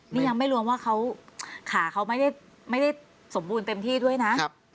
นี่ยังไม่รวมว่าขาเขาไม่ได้สมบูรณ์เต็มที่ด้วยนะ